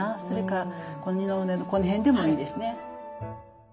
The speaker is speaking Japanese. それから二の腕のこの辺でもいいですね。